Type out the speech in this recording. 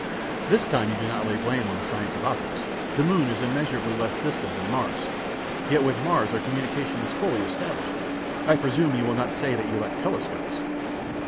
"This time you do not lay the blame on the science of optics. The moon is immeasurably less distant than Mars, yet with Mars our communication is fully established. I presume you will not say that you lack telescopes?"